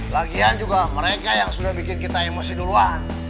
lagian juga mereka yang sudah bikin kita emosi duluan